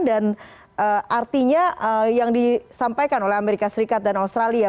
dan artinya yang disampaikan oleh amerika serikat dan australia